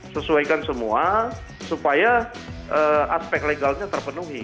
sesuaikan semua supaya aspek legalnya terpenuhi